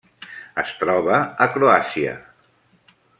Es troba a Croàcia.